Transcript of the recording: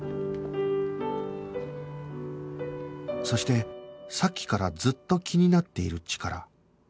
そしてさっきからずっと気になっているチカラ